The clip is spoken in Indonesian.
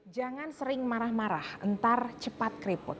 jangan sering marah marah entar cepat keriput